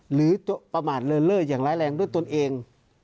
หรือประมาทเลินเล่ออย่างร้ายแรงด้วยตนเอง